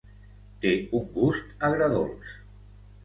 Té un gust agredolç.